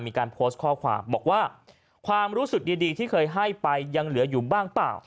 มีการโพสต์ข้อความบอกว่าความรู้สึกดีที่เคยให้ไปยังเหลืออยู่บ้างเปล่า